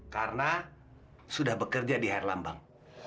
karena sudah bekerja di herlambang